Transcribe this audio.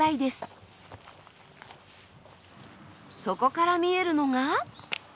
そこから見えるのが。